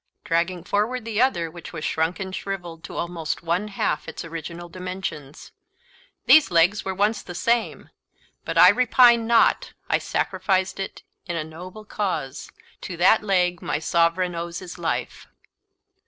dragging forward the other, which was shrunk and shrivelled to almost one half its original dimensions. "These legs were once the same; but I repine not I sacrificed it in a noble cause: to that leg my Sovereign owes his life!"